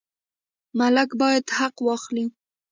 مالک باید حق واخلي.